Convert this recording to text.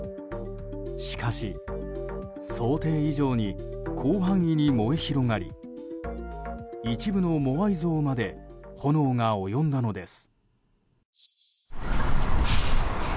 しかし、想定以上に広範囲に燃え広がり一部のモアイ像まで炎が及んだのです。